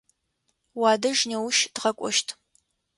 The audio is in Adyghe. Уадэжь неущ тыщытхэщт.